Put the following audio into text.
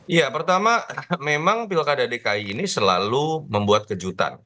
iya pertama memang pilkada dki ini selalu membuat kejutan